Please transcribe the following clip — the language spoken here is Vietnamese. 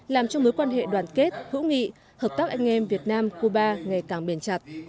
làm cho mối quan hệ đoàn kết hữu nghị hợp tác anh em việt nam cuba ngày càng bền chặt